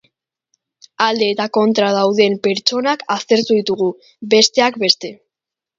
Alde eta kontra dauden pertsonak aztertu ditugu, besteak beste.